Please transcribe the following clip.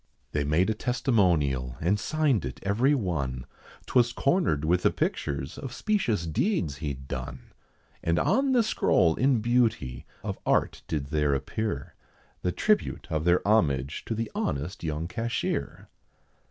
They made a testimonial, and signed it every one, 'Twas cornered with the pictures of specious deeds he'd done; And on the scroll in beauty, of art did there appear, The tribute of their homage to the honest young cashier.